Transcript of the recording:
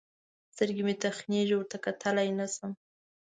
سترګې مې تخېږي؛ ورته کتلای نه سم.